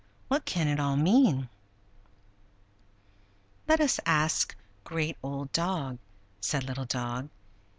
What can it all mean?" "Let us ask Great Old Dog!" said Little Dog.